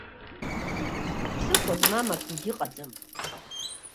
Ԥсыхәа змам акгьы ыҟаӡам.